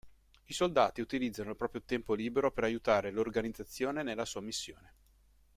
I soldati utilizzano il proprio tempo libero per aiutare l'organizzazione nella sua missione.